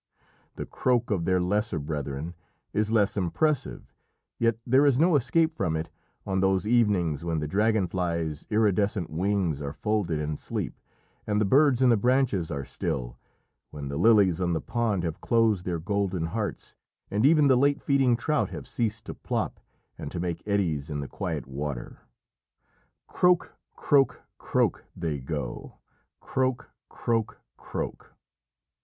The croak of their lesser brethren is less impressive, yet there is no escape from it on those evenings when the dragon flies' iridescent wings are folded in sleep, and the birds in the branches are still, when the lilies on the pond have closed their golden hearts, and even the late feeding trout have ceased to plop and to make eddies in the quiet water. "Krroak! krroak! krroak!" they go "krroak! krroak! krroak!"